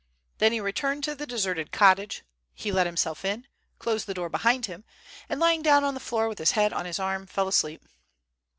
Then he returned to the deserted cottage, he let himself in, closed the door behind him, and lying down on the floor with his head on his arm, fell asleep.